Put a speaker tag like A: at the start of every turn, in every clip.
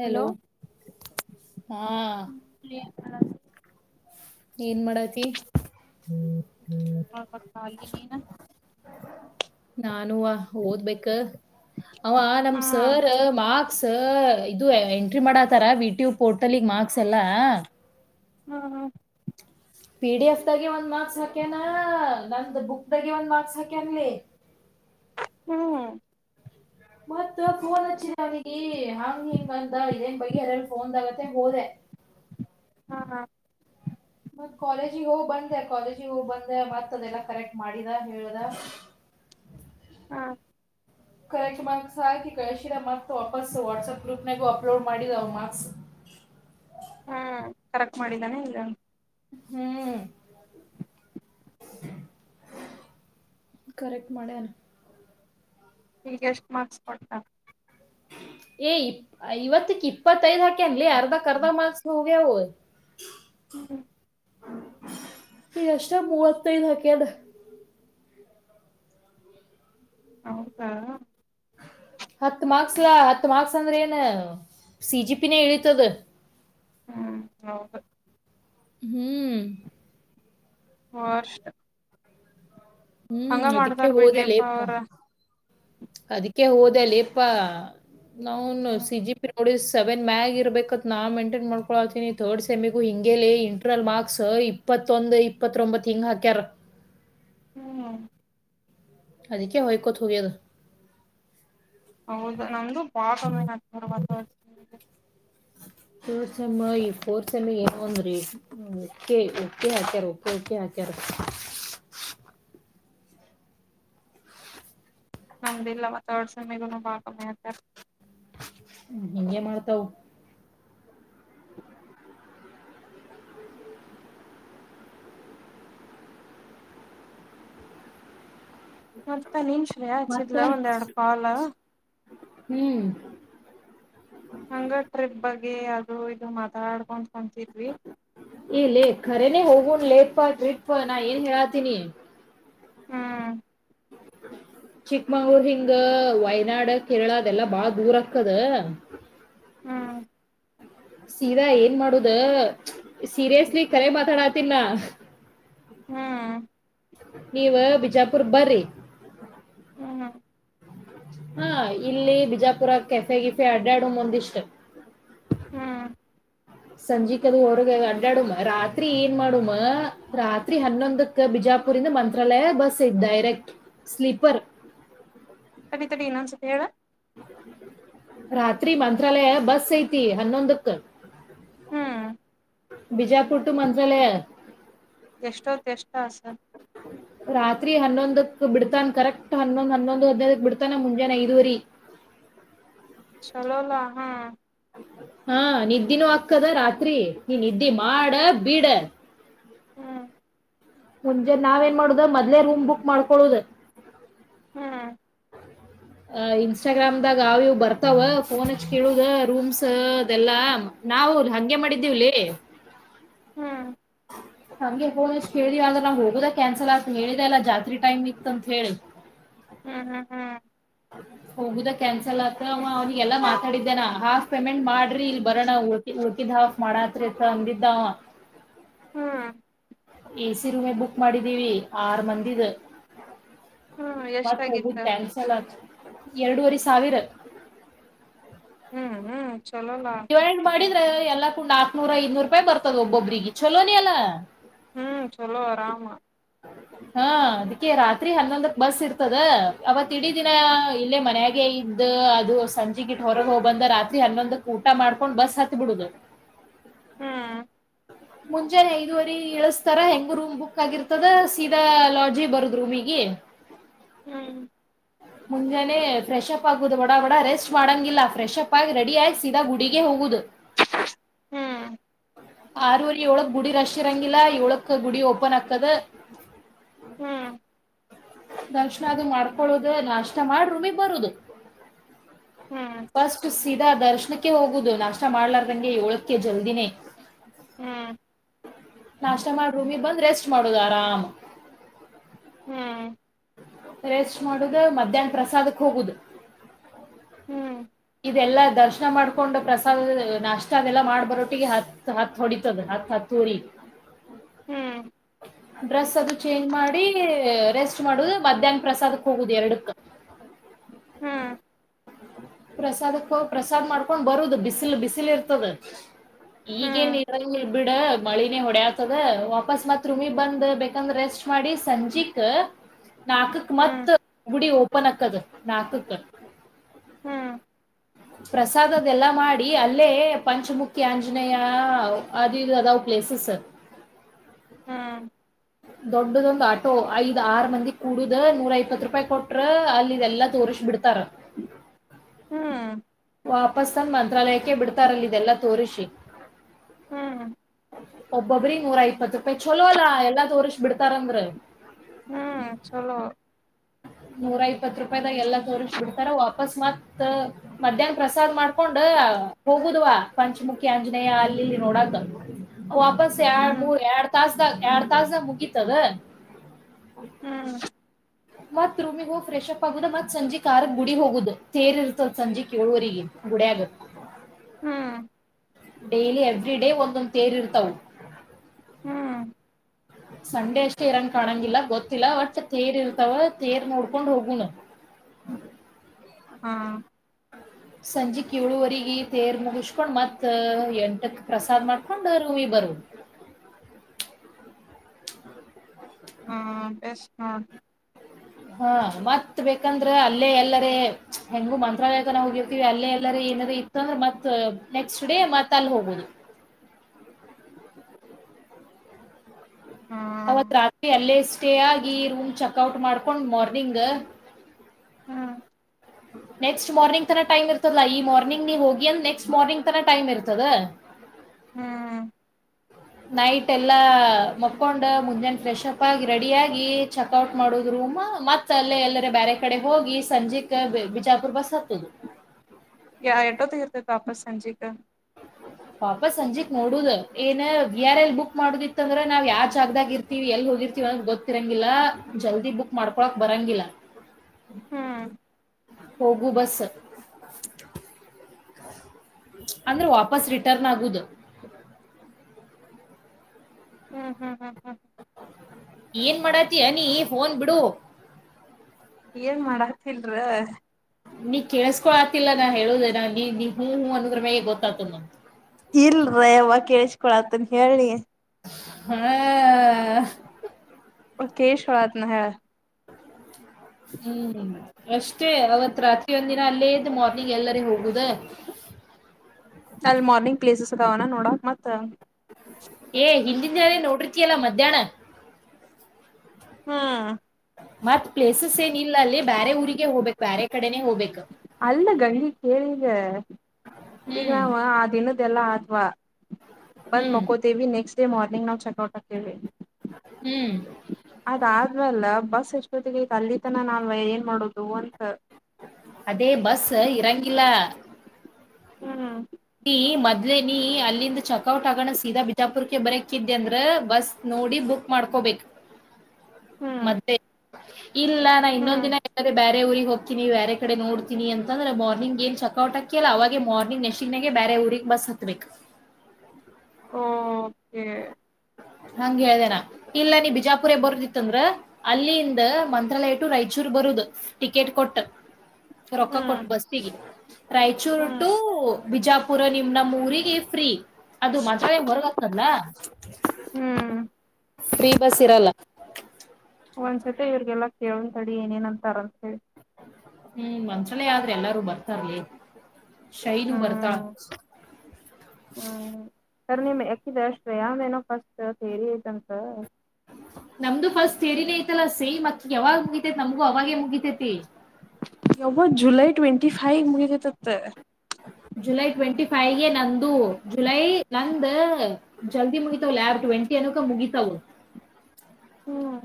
A: Hello
B: ಹ್ಮ ಹ
A: ಏನ್ ಮಾಡತಿ ಹ್ಮ
B: ಹ ಪಾಲಿ ನೀ
A: ನಾನೂ ಓದ್ಬೇಕ ಅವ
B: ಹಾ
A: ನಮ ಸರ್ ಮಾ ಮಕ್ಸ್ ಇದು ಎಂಟ್ರಿ ಮಾಡಾತಾರ ವಿಟ್ಯೂ ಪೋರ್ಟಲ್ಗ್ ಮಾರ್ಕ್ಸ್ ಎಲ್ಲಾ
B: ಹ್ಮ ಹ್ಮ
A: ಪಿ ಡಿ ಎಫ್ ದಾಗ ಒಂದ್ ಮಾರ್ಕ್ಸ್ ಹಾಕ್ಯನಾ ನಂದು್ದ ಬುಕ್ ದಾಗ ಒಂದ್ ಮಾರ್ಕ್ಸ್ ಹಾಕೇನ್ಲಿ
B: ಹ್ಮ್
A: ಮತ್ತ ಫೋನ್ ಹಚ್ಚಿನ ಅವಗಿ ಹಾಂಗ ಹಿಂಗ ಅಂತ ಇದೇನ್ ಬಗ್ಿ ಎಲ್ಲಲ್ಲ ಫೋನ್ಗತ್ತ ಹೋದೆ.
B: ಹಾ ಹಾ
A: ಮ ಕಾಲೇಜಿಗೆ ಹೋಗಿ ಬಂದೆ ಕಾಲೇಜಿಗೆ ಹೋಗಿ ಬಂದೆ ಬರ್ತದೆ ಎಲ್ಲ ಕರೆಕ್ಟ್ ಮಾಡಿದ ಹೇಳ್ದ
B: ಹಾ
A: ಕರೆಕ್ಟ್ ಮಾರ್ಕ್ಸ್ ಹಾಕಿ ಕಳಶಿರ ಮಾರ್ಕ್ಸ್ ವಾಪಸ್ಸು ವಾಟ್ಸಪ್ ಗ್ರೂಪ್ನಾಗೂ ಅಪ್ಲೋಡ್ ಮಾಡಿದವು ಮಾರ್ಕ್ಸ್
B: ಹ್ಮ್ ಕರೆಕ್ಟ್ ಮಾಡಿದ್ದಾನೆ ಇಲಾ
A: ಹ್ಮ್ ಕರೆಕ್ಟ್ ಮಾಡ್ಯನು
B: ಈಗೆ ಎಷ್ಟು ಮಾರ್ಕ್ಸ್ ಕೊಟ್ಟತ
A: ಏ ಇ ಐವತ್ತಕ್ ಇಪ್ಪತ್ತೈದ್ ಹಾಕನ ಇಲ್ಲಿ ಅರ್ಧಾರ್ಧ ಮಾಸ್ ಹೋಗ ಯವು
B: ಹ್ಮ್್ಮ
A: ಈ ಅಷ್ಟೇ ಮೂವತ್ತೈದ್ ಹಾಕೇನ.
B: ಹೌದಾ.
A: ಹತ್ ಮಾರ್ಕ್ಸ್ ಹತ್ತು ಮಾರ್ಕ್ಸ್ ಅಂದ್ರೆ ಏನು ಸಿಜಿಪಿನೇ ಇಳೀತದ
B: ಹ್ಮ್ ಹೌದು
A: ಹ್ಮ್
B: ಮಾರ್ಸ್ಟ್
A: ಹ್ಮ್ ಅದಕ್ಕೆ
B: ಬಿಡ್ಲಿಪ್ಪ
A: ಹೋದೆಲ್ಲಪ್ಪ
B: ಅವ್ರ
A: ಅದಕ್ಕೆ ಹೋದೆಲಿಪ್ಪಾ ನವುನ್
B: ಹ್ಮ್
A: ಸಿಜಿ ಪಿರೋಡಿ ಸೆವೆನ್ ಮ್ಯಾಗ ಇರ್ಬೇಕತ್ ನಾ ಮೇಂಟೈನ್ ಮಾಡ್ಕೊತೀನಿ ಥರ್ಡ್ ಸೆಮಿಗೂ ಹಿಂಗೇಲಿ ಇಂಟರ್ನಲ್ ಮಾರ್ಕ್ಸ್ ಇಪ್ಪತ್ತೊಂದು ಇಪ್ಪತ್ತೊಂಬತ್ ಹಿಂಗ್ ಹಾಕ್ಯಾರ
B: ಹ್ಮ್
A: ಅದಕ್ಕೆ ಹಯ್ಕೋತ್ ಹೋಗ್ಯದು
B: ಹೌದಾ ನಮ್ದು ಪಾಸ್ ಆದಂಗ ಆಗ್ತದೆ
A: ತೋರ್ಸಮ್ಮ ಈ ಫೋರ್ಥ್ ಸೇಮ್ ಏನು ಅಂದ್ರೆ ಒಕ್ಕೆ ಒಕ್ಕೆ ಹಾಚ್ಯಾರ ಒಪ್ಪಕೆ ಹಾಚ್ಯಾರ
B: ನಮ್ದ ಇಲ್ಲವ ಥರ್ಡ್ ಸೆಮ್ಮಿಗೂ ಬಾಳ ಕಮ್ಮಿ ಇರತ್ತೆ
A: ಹ್ಮ ಹಿಂಗೆ ಮಾಡ್ತಾವ
B: ನಡ್ತ ನಿನ್ ಅಚ
A: ಮತ್ತ
B: ಇಲ್ಲ ಒಂದ ಎವಡ ಪಾಲ
A: ಹ್ಮ್
B: ಹಂಗ ಟ್ರಿಪ್ ಬಗ್ಗೆ ಅದು ಇದು ಮಾತಾಡ್ಕೊ
A: ಇಲ್ಲೇ ರೆ ನೀ ಹವ ಲೇಟ್ ಪಾ ಟ್ರಿಪ್ ನಾ ಏನ್ ಹೇಳಾತೀನಿ.
B: ಹ್ಮ್
A: ಚಿಕ್ಮಂಗ್ಳೂರ್ ಹಿಂಗ ವಯನಾಡ್ ಕೇರಳ ಅದೆಲ್ಲಾ ಬಾಳ ದೂರಕ್ಕದ
B: ಹ್ಮ್
A: ಸೀದಾ ಏನ್ ಮಾಡುದ ಸೀರಿಯಸ್ಲಿ ಕರೆ ಮಾತಾಡತ
B: ಹ್ಮ್
A: ನೀವ ಬಿಜಾಪುರ್ ಬರ್ರಿ
B: ಹ್ಮ್
A: ಹಾ ಇಲ್ಲಿ ಬಿಜಾಪುರ ಕೆಫೆ ಗಿಫೆ ಅಡ್ಡ್ಯಾಡ ಮುಂದಿಷ್ಟ
B: ಹ್ಮ್
A: ಸಂಜಿಕ್ದು ಹೊರಗೆ ಅಡಾಡಮ್ಮ ರಾತ್ರಿ ಏನ್ ಮಾಡಮ್ಮ ರಾತ್ರಿ ಹನ್ನೊಂದಕ್ಕ ಬಿಜಾಪುರಿಂದ ಮಂತ್ರಾಲಯ ಬಸ್ ಇದ ಡೈರೆಕ್ಟ್ ಸ್ಲೀಪರ್
B: ತಡಿ ತಡಿ ಇನ್ನೊಂದ್ಸತಿ ಹೇಳ
A: ರಾತ್ರಿ ಮಂತ್ರಾಲಯ ಬಸ್ ಸೇತಿ ಹನ್ನೊಂದಕ್ಕೆ
B: ಹ್ಮ್
A: ಹ್ಮ್ ಬಿಜಾಪುರ್ ಟು ಮಂಜಾಲಯ
B: ಎಷ್ಟೊತ್ ಎಷ್ಟ ಆಸ
A: ರಾತ್ರಿ ಹನ್ನೊಂದಕ್ ಬಿಡ್ತಾನ ಕರೆಕ್ಟ್ ಹನ್ನೊಂದ್ ಹನ್ನೊಂದು ಹದ್ದಕ್ ಬಿಡ್ತಾನ ಮುಂಜಾನೆಐದುವರಿ
B: ಚಲೋಲಾ ಹಾ
A: ಹಾ ನಿದ್ದಿನೂ ಅಕ್ಕದ ರಾತ್ರಿ ಈ ನಿದ್ದೆ ಮಾಡ ಬಿಡ
B: ಹ್ಮ್
A: ಮುಂಜೆ ನಾವೆನ್ ಮಾಡುದ ಮೊದ್ಲೇ ರೂಮ್ ಬುಕ್ ಮಾಡ್ಕೊಳ್ಳುದ
B: ಹ್ಮ್
A: ಅ ಇನ್ಸ್ಟಾಗ್ರಾಮ್ ದಾಗ ಅವ ಇವ್ ಬರ್ತಾವ ಫೋನ್ ಹಚ್ ಕೇಳುದ ರೂಮ್ಸ್ ಅದೆಲ್ಲಾ ನಾವ್ ಹಂಗೆ ಮಾಡಿದ್ದೀವಲೇ
B: ಹ್ಮ್
A: ನಂಗೆ ಹೋ ಇಷ್ಟ್ ಕೇಳಿವವ ಅ ನಾ ಹೋಗೋದ ಕ್ಯಾನ್ಸಲ್ ಆಗ್ತ ಹೇಳಿದೆ ಎಲ್ಲ ಜಾತ್ರಿ ಟೈಮ್ ಇತ್ತ ಅಂತ ಹೇಳ
B: ಹ್ಮ್ ಹ್ಮ್ ಹ್ಮ್
A: ಹೋಗುದ ಕ್ಯಾನ್ಸಲ್ ಆತ್ರ ಅವ್ನಿಗೆಲ್ಲಾ ಮಾತಾಡಿದ್ದೇನ ಹಾಫ್ ಪೇಮೆಂಟ್ ಮಾಡ ಡಿ ಬರಾಣ ಹಾಫ್ ಮಾಡತ್ ಇತ್ ಅಂಬಿದ್ದ
B: ಹ್ಮ್
A: ಎ ಸಿ ರೂಮೇ ಬುಕ್ ಮಾಡಿದ್ದೀವಿ ಆರ್ ಮಂದಿದ
B: ಹ್ಮ್
A: ಮ ಹೋಗು
B: ಎಷ್ಟಾಗಿತ್ತ
A: ಟೆನ್ಸಲ್ ಆತ್ತು ಎರಡುವರೆ ಸಾವಿರ
B: ಹ್ಮ್ ಹ್ಮ್ ಚಲೋಣ
A: ಎಲ್ಲ ಕ ಕು್ ಆತ್ನೂರ ಐನೂರು ರೂಪಾಯಿ ಬರ್ತದ ಒಬ್ಬೊಬ್ರಿಗೆ ಚಲೋನ ಅಾ
B: ಹ್ಮ್ ಚಲೋ ಆರಾಮ
A: ಹಾ ಅದಕ್ಕೆ ರಾತ್ರಿ ಹನ್ನೊಂದಕ್ ಬಸ್ ಇರ್ತದ ಅವತ್ ಇಡೀ ದಿನ ಇಲ್ಲೇ ಮನ್ಯಾಗೆ ಇದ್ದ ಅದು ಸಂಜೆಗಿಟ್ಟ ಹೊರಗೆ ಹೋಗ್ ಬಂದ ರಾತ್ರಿ ಹನ್ನೊಂದಕ್ ಊಟ ಮಾಡ್ಕೊಂಡ್ ಬಸ್ ಹತ್ ಬಿಿಡುದು
B: ಹ್ಮ್
A: ಹ ಮುಂಜಾನೆ ಐದುವರೆ ಇಳಸ್ತಾರ ಹೆಂಗ ರೂಮ್ ಬುಕ್ ಆಗಿರ್ತದ ಸೀದಾ ಲಾಡ್ಜಿ ಬರದ್ ರೂಮ್ಗ
B: ಹ್ಮ್
A: ಮುಂಜಾನೆ ಫ್ರೆಶಪ್ ಆಗುದು ಬಡ ಬಡ ರೆಸ್ಟ್ ಮಾಡಂಗಿಲ್ಲ ಫ್ರೆಶ್ಪ್ ಆಗಿ ರೆಡಿ ಆಗ ಸೀದಾ ಗುಡಿಗೆ ಹೋಗುದು
B: ಹ್ಮ್
A: ಆರವರಿ ಇಏಳಕ್ ಗುಡಿ ರಶ್ ಇರಂಗಿಲ್ಲ ಇವಳಕ್ ಗುಡಿ ಓಪನ್ ಆಕದ
B: ಹ್ಮ್
A: ದಕ್ಷಣ ಅದು ಮಾಡ್ಕೊೊಳ್ಳದು ನಾಷ್ಟ ಮಾಡ್ರೂಮಿಗ್ ಬರುದು
B: ಹ್ಮ್
A: ಸ್ಟ್ [unintelligible] ಸೀದಾ ದರ್ಶನಕ್ಕೆ ಹೋಗುದು ನಾಷ್ಟ ಮಾಡ್ಲಾರ್ದಂಗೆ ಏಳಕ್ಕೆ ಜಲ್ದಿನೇ
B: ಹ್ಮ್
A: ನಾಷ್ಟ ಮಾಡೂಮಿ ಬಂದ್ ರೆಸ್ಟ್ ಮಾಡುದು ಆರ.
B: ಹ್ಮ
A: ರೆಸ್ಟ್ ಮಾಡುದ ಮಧ್ಯಾಹ್ನ ಪ್ರಸಾದಕ್ ಹೋಗುದು
B: ಹ್ಮ್
A: ಇದೆಲ್ಲಾ ದರ್ಶನ ಮಾಡ್ಕೊಂಡ್ ಪ್ರಸಾದ್ ನಾಷ್ಟ ಅದೆಲ್ಲಾ ಮಾಡ್ ಬರೋಟ್ಟಿಗೆ ಹತ್ ಹತ್ ಹೊಡಿತದ ಹತ್ ಹತ್ತ ಉರಿ
B: ಹ್ಮ್
A: ಡ್ರೆಸ್ ಅದು ಚೇಂಜ್ ಮಾಡಿ ರೆಸ್ ಮಾಡುದು ಮಧ್ಯಾಹ್ನ ಪ್ರಸಾದಕ್ ಹೋಗುದು ಎರಡಕ್ಕ
B: ಹ್ಮ್
A: ಪ್ರಸಾದ ಪ್ರಸಾದ್ ಮಾಡ್ಕೊಂಡ್ ಬರುದು ಬಿಸಿಲು ಬಿಸಿಲು ಇರ್ತದೆ ಈಗೇ ನಿರ ಬಿಡ ಮಳಿನೇ ಹೊಡೆ ಆತದ ವಾಪಸ್ ಮತ್ ರುಮಿ ಬಂದ ಬೇಕಂದ್ರೆ ರೆಸ್ಟ್ ಮಾಡಿ ಸಂಜೆಕ್ ನಾಲ್ಕಕ್ ಮತ್ ಬುಡಿ ಹೋಗ ಪ್ಪ ನಕ್ಕದ ನಾಸು
B: ಹ್ಮ್
A: ಪ್ರಸಾದ ಅದೆಲ್ಲ ಮಾಡಿ ಅಲ್ಲೇ ಪಂಚಮುಖಿ ಆಂಜನೇಯ ಅದುದು ಅದಾವ್ ಪ್ಲೇಸಸ್ ದೊಡ್ಡದೊಂದು ಆಟೋ ಐದು ್ ಆರ್ ಮಂದಿ ಕೂಡುದ ನೂರ ಇಪ್ಪತ್ ರೂಪಾಯಿ ಕೊಟ್ರ ಅಲ್ಲಿ ಇದೆಲ್ಲಾ ತೋರ್ಸ ಬಿಡ್ತಾರ
B: ಹ್ಮ್
A: ವಾಪಸ್ ತಂದ ಮಂತ್ರಾಲಯಕ್ಕೆ ಬಿಡ್ತಾರಲ್ಲ ಇದೆಲ್ಲಾ ತೋರಿಸಿ
B: ಹ್ಮ್
A: ಒಬ್ಬೊಬ್ರಿಗ ನೂರಾ ಇಪ್ಪತ್ತ ರೂಪಾಯಿ ಚುಲೋ ಅಲ್ಲಾ ಎಲ್ಲಾ ತೋರ್ಸ್ ಬಿಡ್ತಾರಂದ್ರ
B: ಹ್ಮ್ ಚುಲೋ
A: ನೂರ ಇಪ್ಪತ್ ರೂಪಾಯಿದಾಗ ಎಲ್ಲ ತೋರಿಸ ಬಿಡ್ತಾರ ವಾಪಸ್ ಮತ್ ಮಧ್ಯಾಹ್ನ ಪ್ರಸಾದ್ ಮಾಡ್ಕೊಂಡ ಹೋಗುದ್ವ ಪಂಚಮುಖಿ ಆಂಜನೇಯ ಅಲ್ಲಿ ಇಲ್ಲಿ ನೋಡಕ ವಾಪಸ್ ಎರಡ್
B: ಹ್ಮ್
A: ಮೂರ್ ಎರಡ ತಾಸ ಯಾಡ ತಾಸ ಮುಗಿತದ
B: ಹ್ಮ್
A: ಮತ್ ರೂಮಿಗ್ ಹೋಗ ಫ್ರೆಶಪ್ ಆಗುದ ಮತ್ ಸಂಜೆ ಆರಾಕ ಗುಡಿಗೆ ಹೋಗುದ ತೇರ್ ಇರ್ತದ ಸಂಜೆ ಏಳುವರಿಗೆ ಗುಡ ಆಗತ್ತ
B: ಹ್ಮ್
A: ಡೈಲಿ ಎವ್ರಿ ಡೇ ಒಂದೊಂದ ತೇರ್ ಇರ್ತವು
B: ಹ್ಮ್
A: ಸಂಡೆ ಅಷ್ಟೇ ಇರಂಗ ಕಾಣಂಗಿಲ್ಲ ಗೊತ್ತಿಲ್ಲ ವಟ್ ತೇರ್ ಇರ್ತವ ತೇರ್ ನೋಡ್ಕೊಂಡ್ ಹೋಗುಣ
B: ಹಾ
A: ಸಂಜೆ ಕ ಏಳುವರೆಗ ತೇರ್ ಮುಗಿಸ್ಕೊಂಡ್ ಮತ್ ಎಂಟಕ್ಕೆ ಪ್ರಸಾದ್ ಮಾಡ್ಕೊಂಡ್ ರೂಮಿ ಬರುದ
B: ಹಾ ಬೆಸ್ಟ ಹಾ
A: ಹಾ ಮತ್ತ್ ಬೇಕಂದ್ರೆ ಅಲ್ಲೇ ಎಲ್ಲರ ಹೆಂಗು ಮಂತ್ರಾಲಯ ತನ ಹೋಗಿರ್ತೀವಿ ಅಲ್ಲೇ ಎಲ್ಲರ ಏನದ ಇತ್ತಂದ್ರೆ ಮತ್ ನೆಕ್ಸ್ಟ್ ಡೇ ಮತ್ ಅಲ್ಲಿ ಹೋಗೋುದು
B: ಹಾ
A: ಅವತ್ ರಾತ್ರಿ ಅಲ್ಲೇ ಸ್ಟೇ ಆಗಿ ರೂಮ್ ಚೆಕ್ಔಟ್ ಮಾಡ್ಕೊಂಡ್ ಮಾರ್ನಿಂಗ್
B: ಹ್ಮ್
A: ನೆಕ್ಸ್ಟ್ ಮಾರ್ನಿಂಗ್ ತರ ಟೈಮ್ ಇರ್ತಲ್ಲಾ ಈ ಮಾರ್ನಿಂಗ್ ನೀ ಹೋಗಿ ನಕ್ಸ್ಟ್ ಮಾರನಿಂಗ ತರ ಟೈಮ್ ಇಲ್ಲಿ ತದ.
B: ಹ್ಮ್.
A: ನೈಟ್ ಎಲ್ಲಾ ಮಕೊಂಡ್ ಮುಂಜಾನೆ ಫ್ರೆಶ್ ಅಪ್ ಆಗಿ ರೆಡಿ ಆಗಿ ಚೆಕ್ಔಟ್ ಮಾಡುದ ರೂಮ್ ಮತ್ತ ಅಲ್ಲೇ ಎಲ್ಲರ ಬೇರೆ ಕಡೆ ಹೋಗಿ ಸಂಜೆಕ್ ಬಿಜಾಪುರ್ ಬಸ್ ಹತ್ತದ.
B: ಯ ಎಟೋತೀಗೆ ವಾಪಸ್ ಸಂಜಿಕ
A: ವಾಪಸ ಸಂಜಿಕ್ ನೋಡುದ ಏನ್ ವಿ ಆರ್ ಎಲ್ ಬುಕ್ ಮಾಡುದಿತ್ತ ಅಂದ್ರ ನಾವ್ ಯಾವ ಜಾಗದಾಗ ಇರ್ತಿವಿ ಎಲ್ ಹೋಗಿರ್ತಿವಿ ಅನ್ನೋದ ಗೊತ್ತಿರಂಗಿಲ್ಲಾ ಜಲ್ದಿ ಬುಕ್ ಮಾಡ್ಕೊಳಕ್ ಬರಂಗಿಲ್ಲ.
B: ಹ್ಮ್.
A: ಹೋಗು ಬಸ್ ಅಂದ್ರ ವಾಪಸ್ ರಿಟರ್ನ್ ಆಗುದ.
B: ಹ್ಮ್ ಹ್ಮ್ ಹ್ಮ ಹ
A: ಏನ್ ಮಾಡಾತಿಯ ನೀ ಫೋನ್ ಬಿಡು.
B: ಏನ್ ಮಾಡಾತಿಲರ.
A: ನೀ ಕೇಳಿಸಸ್ಕೊಳ್ ಆತಿಲ್ಲ ನಾ ಹೇಳುದ ನೀ ನೀ ಹ ಹೂ ಅನ್ನೋದರ ಮ್ಯಾಗೆ ಗೊತ್ತ ಅಗತ್ದ ನ.
B: ಇಲ್ರ ಅವ ಕೇಳಿಸಕೊಳತನ್ ಹೇಳಿ ನೀ
A: ಹ.
B: ಕೇಳಿಸ್ಕೊಳತನ ಹೇಳ.
A: ಹ್ಮ್ ಅಷ್ಟೇ ಅವತ್ ರಾತ್ರಿ ಒಂದಿನ ಅಲ್ಲೇ ಇದ್ದ ಮಾರ್ನಿಂಗ್ ಎಲ್ಲರೆ ಹೋಗುದ.
B: ಅಲ್ಲಿ ಮಾರ್ನಿಂಗ್ ಪ್ಲೇಸಸ ಅದಾವಣ ನೋಡಕ ಮತ್ತ.
A: ಏ ಹಿಂದಿನ ದಿನ ನೋಡರ್ತಿಯಲ್ಲಾ ಮಧ್ಯಾಹ್ನ.
B: ಹ.
A: ಮತ್ತ ಪ್ಲೇಸಸ್ ಏನ ಇಲ್ಲ ಅಲ್ಲಿ ಬ್ಯಾರೆ ಊರಿಗೆ ಹೋಗ್ಬೇಕ ಬ್ಯಾರೆ ಕಡೆನೆ ಹೋಗ್ಬೇಕ.
B: ಅಲ್ಲ ಗಂಗಿ ಕೇಳ ಈಗ ಈಗ
A: ಹ್ಮ್
B: ನಾವ ಆ ದಿನದ. ದೆಲ್ಲ ಆತವ. ಬಂದ
A: ಹ್ಮ್
B: ಮಕೋತೇವಿ ನೆಕ್ಸ್ಟ್. ಡೇ ಮ್ರಾನಿಂಗ್ ನಾವ ಚೆಕ್ ಔಟ್ ಆಗ್ತೀವಿ.
A: ಹ್ಮ್.
B: ಅದಾದ್ಮೇಲ [unintelligible] ಅಲ್ಲಿ ತನ ನಾ ಏನ್ ಮಾಡೋದು.
A: ಅದೇ ಬಸ್ ಇರಂಗಿಲ್ಲ.
B: ಹ್ಮ್.
A: ನೀ ಮೊದ್ಲ ನೀ ಅಲ್ಲಿಂದ ಚಕ್ಔಟ್ ಆಗೋಣ ಸೀದಾ ಬಿಜಾಪುರ್ಕ್ಕೆ ಬರಕ್ಕಿದ್ದೆಂದ್ರ ಬಸ್ ನೋಡಿ ಬುಕ್ ಮಾಡ್ಕೋಬೇಕ.
B: ಹ್ಮ್
A: ಮದ್ಲೇ. ಇಲ್ಲ ನಾ ಇನ್ನೊಂದ
B: ಹ್ಮ್
A: ದಿನ ಎಲ್ಲರ ಬ್ಯಾರೆ ಊರಿಗ ಹೋಕೀನಿ ಬ್ಯಾರೆ ಕಡೆ ನೋಡ್ತೀನಿ ಅಂತಂದ್ರ ಮಾರ್ನಿಂಗ ಏನ್ ಚಕೌಟ್ ಆಕಿಲ್ಲ ಅವ ಮಾರ್ನಿಂಗ್ ನೇ ನಸುಕ್ನೆಗೆ ಬೇರೆ ಊರಿಗೆ ಬಸ್ ಹತ್ಬೇಕ.
B: ಓ ಕೆ.
A: ಹಂಗ ಹೇಳ್ದ ನಾ ಇಲ್ಲ ನೀ ಬಿಜಾಪುರ ಬರೋದಿತ್ತಂದ್ರ ಅಲ್ಲಿಯಂದ ಮಂತ್ರಾಲಯ ಟು ರಾಯಚೂರ್ ಬರುದು ಟಿಕೆಟ್ ಕೊಟ್ಟ. ರೊಕ್ಕ ಕೊಟ್ಟ
B: ಹ್ಮ್
A: ಬಸ್ಸಿಗೆ. ರಾಯಚೂರು
B: ಹ್ಮ್
A: ಟು. ಬಿಜಾಪುರ ನಿಮ್ಮ ನಮ್ಮ ಊರಿಗೆ ಫ್ರೀ. ಅದು ಮಂತ್ರಾಲಯದಿಂದ ಹೊರಗ ಆತದಲ್ಲ.
B: ಹ್ಮ್
A: ಫ್ರೀ ಬಸ್ಇರಲ್ಲ.
B: ಒಂದ್ಸತಿ ಇವ್ರಗೆಲ್ಲ. ಕೇಳೋಣ ತಡಿ ಏನೇನ ಅಂತಾರ ಅಂತ ಹೇಳಿ.
A: ಹ್ಮ್ ಒಂದ್ಸಲೆ ಆದ್ರೆ ಎಲ್ಲಾರೂ ಬರ್ತಾರ್ಲಿ. ಶೈಲೂ ಬರ್ತಾಳ.
B: ಹ್ಮ್ ಪ್ರಯಾಮ ಏನೋ ಫಸ್ಟ್ ತೇರಿ ಐತಂತ
A: ನಮ್ದು ಫಸ್ಟ್ ತೇರಿ ಐತಲ್ಲ ಸೇ್ ಅಕ್ಕ ಯಾವಾಗ ಮುಗಿತೈತಿ ನಮಗೂ ಅವಾಗೇ ಮುಗಿತೈತಿ
B: ಯಬೋ ಜುಲೈ ಟ್ವೆಂಟಿ ಫೈವ್ ಮುಗಿದತತ್ತ
A: ಜುಲೈ ಟ್ವೆಂಟಿ ಫೈವ್ಗೆ ನಂದು ಜುಲೈ ನಂದ ಜಲ್ದಿ ಮುಗಿತವ ಜುಲೈ ಟ್ವೆಂಟಿ ಅನೋಕ ಮುಗಿತವ
B: ಹ್ಮ್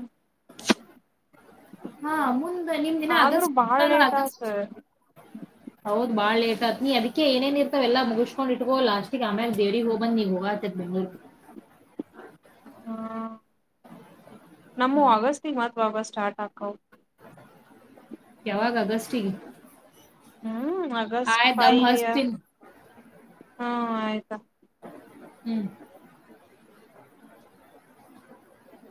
A: ಹಾ ಮುಂದ ನಿಮ್ದ್ ಇನ್ನ
B: ಆದ್ರೂ
A: ಆಗಸ್ಟ್
B: ಬಾಳ
A: ಅಂತಲ್ಲ
B: ಲೇಟ್ ಆತ
A: ಹೌದೇನ ಬಾಳ ಲೇಟ್ ಆಯತ್ ನೀ ಅದಕ ಏನೇನ್ ಇರ್ತಾವ ಎಲ್ಲ ಮುಗಿಸಸ್ಕೊಂಡ್ ಇಟ್ಕೋ ಲಾಸ್ಟಿಗೆ ಆಮೇಲೆ ದೇವರಿಗೆ ಹೋಗಬಂದ್ ನೀಗ್ ಹೋಗತಿ ಅಂತ ಬೆಂಗಳೂರು
B: ಹ್ಮ ನಮ್ಮವು ಅಗಸ್ಟಿಗೆ ಅಂತ ಆವಾಗ ಸ್ಟಾರ್ಟ್ ಆಕಾವು
A: ಯಾವಾಗ ಅಗಸ್ಟಿಗೆ
B: ಹ್ಮ
A: ಹಾ ಈಗ ಮಾಡಿಸ್ತೀನಿ
B: ಹಾ ಆಯ್ತಾ
A: ಹ್ಮ್